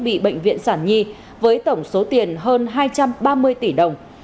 bị bệnh viện sản nhi với tổng số tiền hơn hai trăm ba mươi tỷ đồng